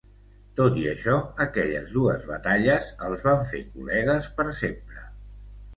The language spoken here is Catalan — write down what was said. Tot i això, aquelles dues batalles els van fer col·legues per sempre.